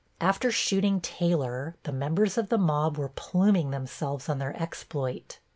After shooting Taylor the members of the mob were pluming themselves on their exploit.